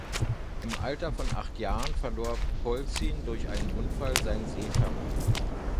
Im Alter von acht Jahren verlor Polzin durch einen Unfall sein Sehvermögen.